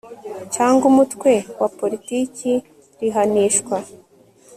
cyangwa umutwe wa politiki rihanishwa